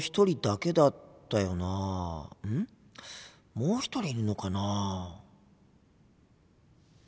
もう１人いるのかな？